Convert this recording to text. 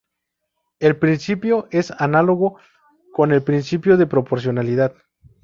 El principio es análogo con el principio de proporcionalidad.